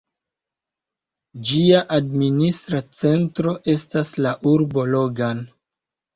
Ĝia administra centro estas la urbo Logan.